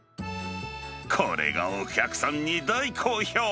これがお客さんに大好評。